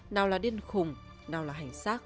nào là điên khùng nào là hành xác